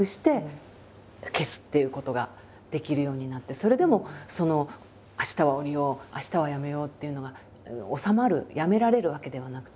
それでも明日は下りよう明日はやめようっていうのが収まるやめられるわけではなくて。